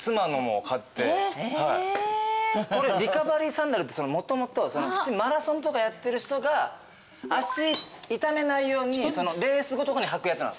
サンダルってもともとマラソンとかやってる人が足痛めないようにレース後とかに履くやつなんです。